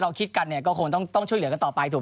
เราคิดกันเนี่ยก็คงต้องต้องช่วยเหลือกันต่อไปถูก